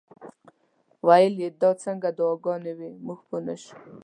ویل یې دا څنګه دعاګانې وې موږ پوه نه شو.